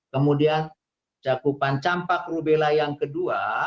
kemudian cakupan campak rubella yang kedua